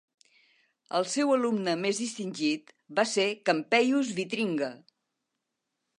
El seu alumne més distingit va ser Campeius Vitringa.